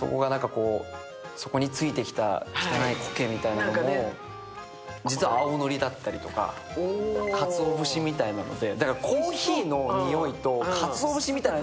そこについてきた汚い苔みたいなのも実は青のりだったとか、かつおぶしみたいなので。